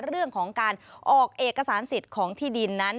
เรื่องของการออกเอกสารสิทธิ์ของที่ดินนั้น